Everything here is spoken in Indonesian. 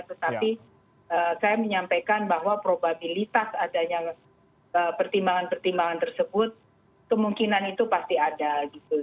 tetapi saya menyampaikan bahwa probabilitas adanya pertimbangan pertimbangan tersebut kemungkinan itu pasti ada gitu